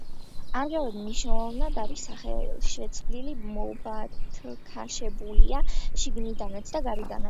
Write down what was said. ამჟამად მნიშვნელოვნად არის სახეშეცვლილი, მობათქაშებულია შიგნითაც და გარედანაც.